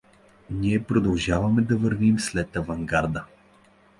Ние продължавахме да вървим след авангарда.